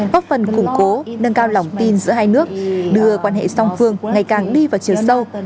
góp phần củng cố nâng cao lòng tin giữa hai nước đưa quan hệ song phương ngày càng đi vào chiều sâu